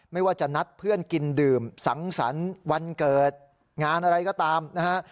ไม่ว่าจะนัดเพื่อนกินดื่มสังสรรค์วันเกิดงานอะไรก็ตามนะฮะ